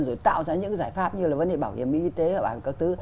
rồi tạo ra những giải pháp như là vấn đề bảo hiểm y tế và các thứ